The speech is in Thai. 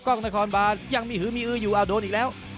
ก้องนครบานยังมีฮือมีอื้ออยู่โดนอีกแล้ว